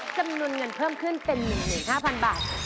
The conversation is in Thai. จำนวนเงินเพิ่มขึ้นเป็น๑๕๐๐๐บาท